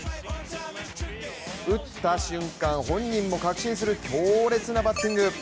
打った瞬間、本人も確信する強烈なバッティング。